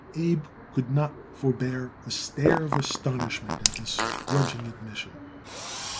Abe could not forbear a stare of astonishment at this grudging admission.